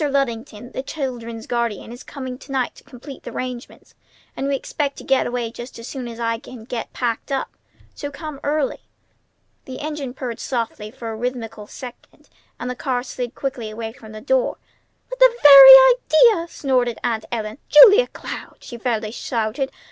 Luddington, the children's guardian, is coming to night to complete the arrangements, and we expect to get away just as soon as I can get packed up. So come early." The engine purred softly for a rhythmical second, and the car slid quickly away from the door. "But the very idea!" snorted Aunt Ellen. "Julia Cloud!" she fairly shouted.